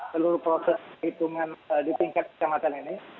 seluruh proses hitungan di tingkat kecamatan ini